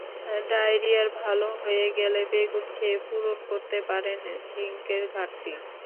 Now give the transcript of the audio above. Diarrhoea ভালো হয়ে গেলে বেগুন খেয়ে পূরণ করতে পারেন জিংকের ঘাটতি।